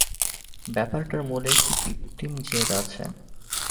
ব্যাপারটার মূলে একটা কৃত্রিম জেদ আছে।